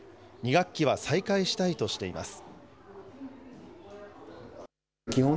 ２学期は再開したいとしています。